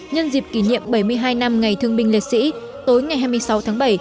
nhân dịp kỷ niệm bảy mươi hai năm ngày thương binh liệt sĩ tối ngày hai mươi sáu tháng bảy